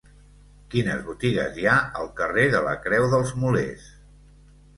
Quines botigues hi ha al carrer de la Creu dels Molers?